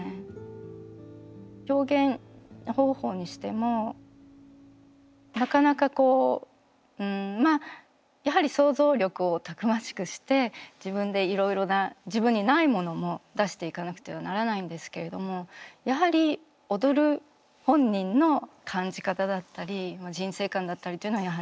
表現方法にしてもなかなかまあやはり想像力をたくましくして自分でいろいろな自分にないものも出していかなくてはならないんですけれどもやはり兵庫県からのＳＨＩＺＵＫＡさんですか。